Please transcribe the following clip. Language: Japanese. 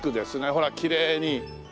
ほらきれいに。